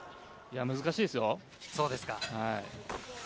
難しいですよ。